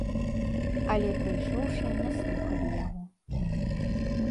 Але прыйшоўшыя не слухалі яго.